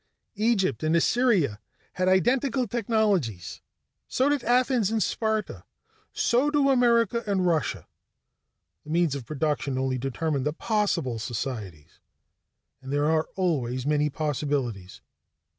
"Egypt and Assyria had identical technologies. So did Athens and Sparta. So do America and Russia. The means of production only determine the possible societies, and there are always many possibilities.